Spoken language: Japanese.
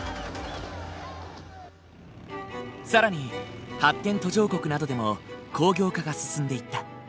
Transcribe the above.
更に発展途上国などでも工業化が進んでいった。